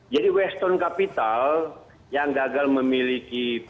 jadi western capital yang gagal memiliki